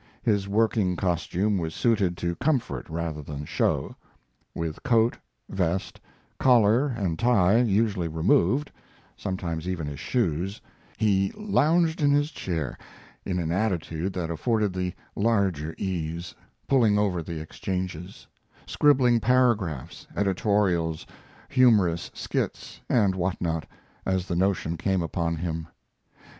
His working costume was suited to comfort rather than show. With coat, vest, collar, and tie usually removed (sometimes even his shoes), he lounged in his chair, in any attitude that afforded the larger ease, pulling over the exchanges; scribbling paragraphs, editorials, humorous skits, and what not, as the notion came upon him.